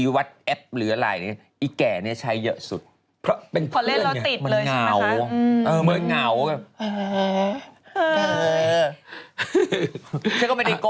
มันก็เป็นแค่แก่แล้วมันก็